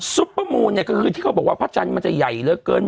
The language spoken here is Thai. ซุปเปอร์โมนเนี้ยคือที่เค้าบอกว่าพระชันตร์มันจะใหญ่เรื่องเลือดเกิน